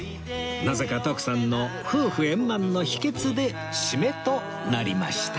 なぜか徳さんの夫婦円満の秘訣で締めとなりました